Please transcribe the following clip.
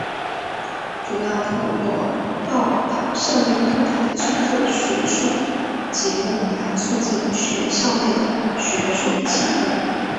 主要透过报导校园动态与制作学术节目来促进校园内的学术气氛。